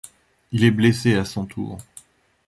Il est blessé à son tour.